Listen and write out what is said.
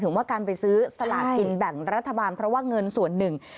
ว่าการไปซื้อสลากกินแบ่งรัฐบาลเพราะว่าเงินส่วนหนึ่ง